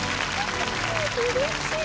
うれしい。